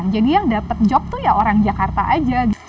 jadi yang dapet job tuh ya orang jakarta aja